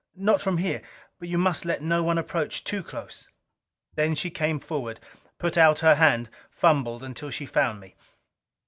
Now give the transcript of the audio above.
"Not from here. But you must let no one approach too close." Then she came forward, put out her hand, fumbled until she found me.